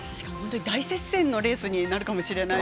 大接戦のレースになるかもしれない。